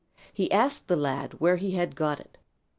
He asked the lad where he had got it.